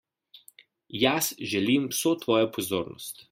Jaz želim vso tvojo pozornost.